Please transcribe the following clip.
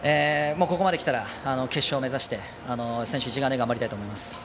ここまできたら決勝目指して選手一丸で頑張りたいと思います。